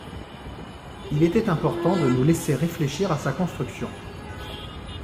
Il était important de nous laisser réfléchir à sa construction.